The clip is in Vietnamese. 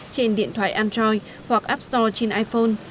trên điện thoại android hoặc app store trên iphone